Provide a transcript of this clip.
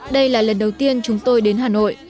đây là lần đầu tiên chúng tôi đến hà nội